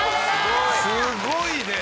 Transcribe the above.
すごいね！